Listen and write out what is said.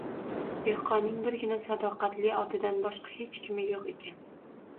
Dehqonning birgina sadoqatli otidan boshqa hech kimi yo’q ekan